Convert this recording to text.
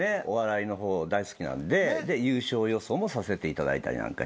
お笑いの方大好きなんで優勝予想もさせていただいて。